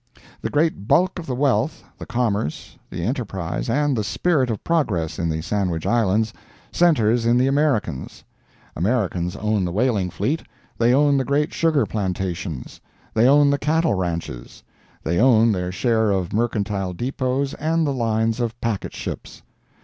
The great bulk of the wealth, the commerce, the enterprise and the Spirit of progress in the Sandwich Islands centers in the Americans. Americans own the whaling fleet; they own the great sugar plantations; they own the cattle ranches; they own their share of the mercantile depots and the lines of packet ships.